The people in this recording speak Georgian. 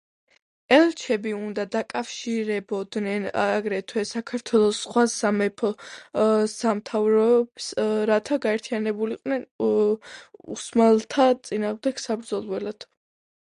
ელჩები უნდა დაკავშირებოდნენ აგრეთვე საქართველოს სხვა სამეფო-სამთავროებს, რათა გაერთიანებულიყვნენ ოსმალთა წინააღმდეგ საბრძოლველად.